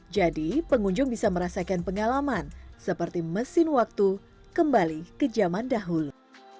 jadi pengunjung bisa merasakan pengalaman seperti mesin waktu kembali ke zaman dahulu